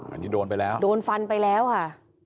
อันนี้โดนไปแล้วโดนฟันไปแล้วค่ะ